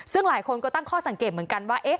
ซึ่งหลายคนก็ตั้งข้อสังเกตเหมือนกันว่า